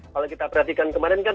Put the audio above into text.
kalau kita perhatikan kemarin kan